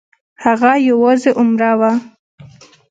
هغه یوازې عمره وه.